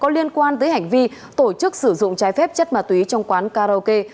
liên quan tới hành vi tổ chức sử dụng trái phép chất ma túy trong quán karaoke